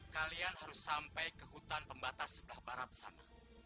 kalian harus sampai ke hutan pembatas sebelah barat sana